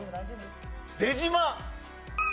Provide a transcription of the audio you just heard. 出島。